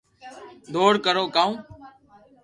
ئر ڪرو ڪا و